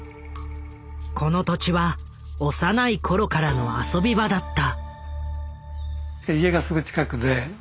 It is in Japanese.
この土地は幼い頃からの遊び場だった。